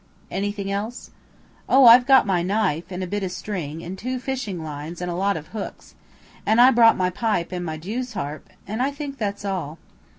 "Anything else?" "Oh, I've got my knife, and a bit o' string, and two fishing lines and a lot of hooks, and I brought my pipe and my Jew's harp, and I think that's all."